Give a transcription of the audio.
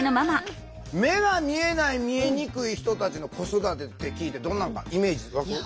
目が見えない見えにくい人たちの子育てって聞いてどんなんかイメージ湧く？